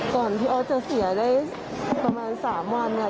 ก่อนที่ออสจะเสียได้ประมาณ๓วันเนี่ย